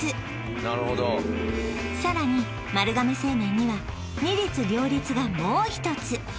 なるほどさらに丸亀製麺には二律両立がもう一つ